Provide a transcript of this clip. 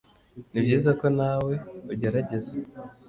ni byiza ko nawe ugerageza